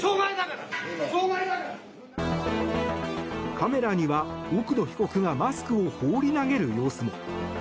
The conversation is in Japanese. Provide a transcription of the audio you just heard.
カメラには、奥野被告がマスクを放り投げる様子も。